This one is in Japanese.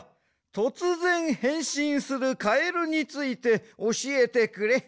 とつぜんへんしんするカエルについておしえてくれ。